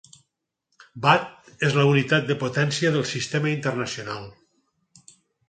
Watt és la unitat de potència del Sistema Internacional.